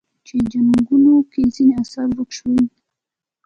په جنګونو کې ځینې اثار ورک شول